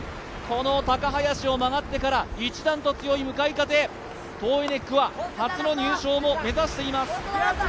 この高林を曲がってから一段と強い向かい風トーエネックは初の入賞も目指しています。